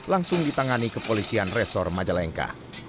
langsung ditangani kepolisian resor majalengka